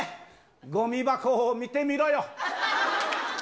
ごみ箱を見てみろよ。